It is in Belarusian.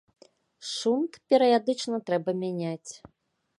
Шунт перыядычна трэба мяняць.